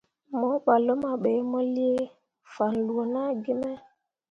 Mo ɓah luma ɓe, mo lii fanloo naa gi me.